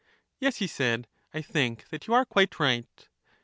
Yes, he said, I think that you are quite right.